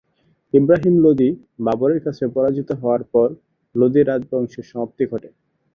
ইবরাহিম লোদি বাবরের কাছে পরাজিত হওয়ার পর লোদি রাজবংশের সমাপ্তি ঘটে।